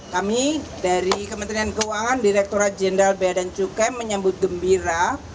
kami dari kementerian keuangan direkturat jenderal bea dan cukai menyambut gembira